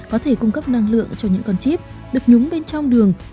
có thể cung cấp năng lượng cho những con chip được nhúng bên trong đường